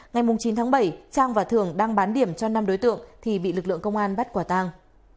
ngày chín tháng bảy trang và thường đang bán điểm cho năm đối tượng thì bị lực lượng công an bắt quả tang